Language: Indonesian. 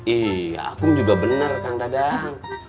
iya kum juga bener kang dadang